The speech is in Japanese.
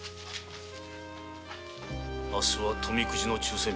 明日は富くじの抽選日